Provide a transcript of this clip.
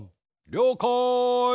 りょうかい。